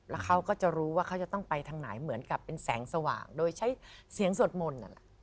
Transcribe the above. แล้วเขาก็จะรู้ว่าเขาจะต้องไปทางไหนเหมือนกับเป็นแสงสว่างโดยใช้เสียงสวดมนต์นั่นแหละ